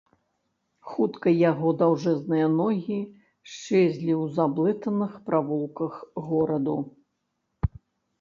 Хутка яго даўжэнныя ногі счэзлі ў заблытаных правулках гораду.